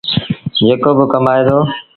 جيڪو با ڪمآئي دو۔